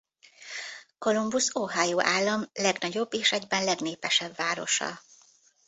Columbus Ohio állam legnagyobb és egyben legnépesebb városa.